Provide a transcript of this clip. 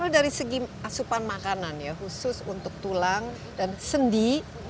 kalau dari segi asupan makanan ya khusus untuk tulang dan sendi